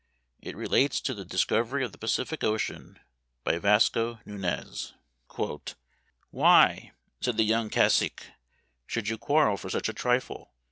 It relates to the discovery of the Pacific Ocean by Vasco Nunez. "' Why,' said the young cacique, ' should you quarrel for such a trifle